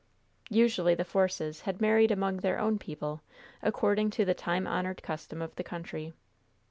Usually the Forces had married among their own people, according to the time honored custom of the country.